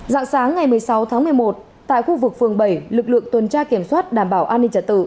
dạng sáng ngày một mươi sáu tháng một mươi một tại khu vực phường bảy lực lượng tuần tra kiểm soát đảm bảo an ninh trật tự